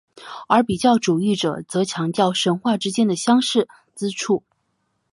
而比较主义者则强调神话之间的相似之处。